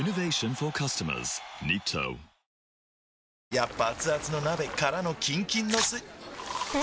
やっぱアツアツの鍋からのキンキンのスん？